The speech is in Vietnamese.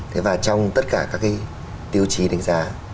thế và trong tất cả các cái tiêu chí đánh giá